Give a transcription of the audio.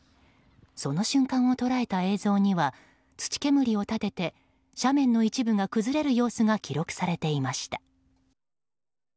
その瞬間を捉えた映像には土煙を立てて斜面の一部が崩れる様子が記録されていました。